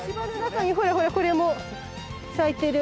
ほらほらこれも咲いてる。